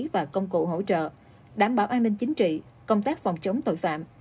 và công cụ hỗ trợ đảm bảo an ninh chính trị công tác phòng chống tội phạm